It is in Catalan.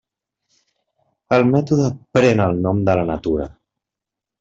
El mètode pren el nom de la natura.